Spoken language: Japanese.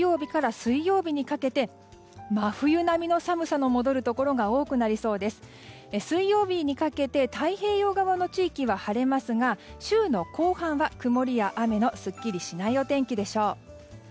水曜日にかけて太平洋側の地域は晴れますが週の後半は曇りや雨のすっきりしないお天気でしょう。